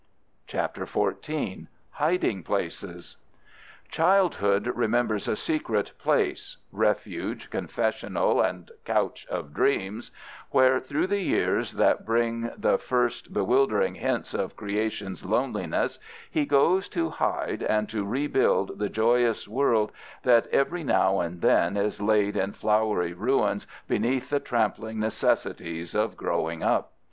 CHAPTER XIV. HIDING PLACES Childhood remembers a secret place—refuge, confessional, and couch of dreams—where through the years that bring the first bewildering hints of creation's loneliness he goes to hide and to rebuild the joyous world that every now and then is laid in flowery ruins beneath the trampling necessities of growing up.